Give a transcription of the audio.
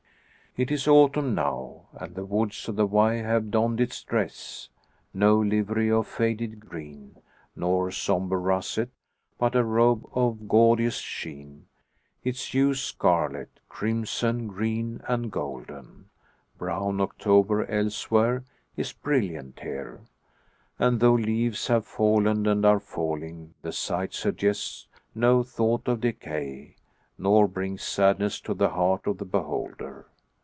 It is autumn now, and the woods of the Wye have donned its dress; no livery of faded green, nor sombre russet, but a robe of gaudiest sheen, its hues scarlet, crimson, green, and golden. Brown October elsewhere, is brilliant here; and though leaves have fallen, and are falling, the sight suggests no thought of decay, nor brings sadness to the heart of the beholder.